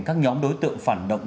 các nhóm đối tượng phản động